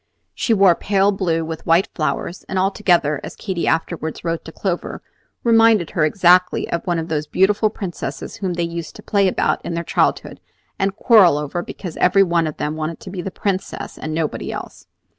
She wore pale blue with white flowers, and altogether, as Katy afterward wrote to Clover, reminded her exactly of one of those beautiful princesses whom they used to play about in their childhood and quarrel over, because every one of them wanted to be the Princess and nobody else.